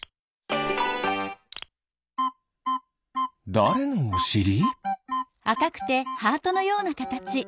だれのおしり？